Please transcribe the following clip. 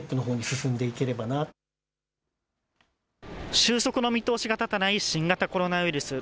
収束の見通しが立たない新型コロナウイルス。